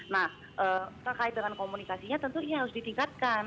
nah terkait dengan komunikasinya tentu ini harus ditingkatkan